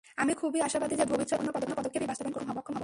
আমি খুবই আশাবাদী যে, ভবিষ্যতে যেকোনো পদক্ষেপই বাস্তবায়ন করতে সক্ষম হব।